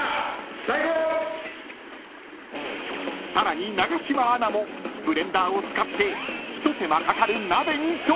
［さらに永島アナもブレンダーを使って一手間かかる鍋に挑戦！］